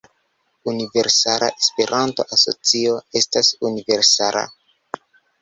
Universala Esperanto-Asocio estas universala.